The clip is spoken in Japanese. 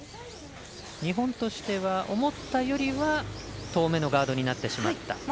日本としては思ったよりは遠めのガードになってしまった。